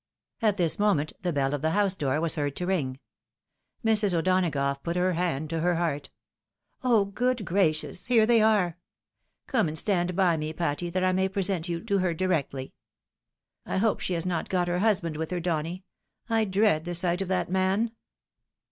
At this moment the bell of the house door was heard to ring. Mrs. O'Donagough put her hand to her heart. " Oh ! good gracious I Here they are !— Come and stand by me, Patty, that I may present you to her directly. I hope she has not got her husband with her, Donny ! I dread the sight of that man."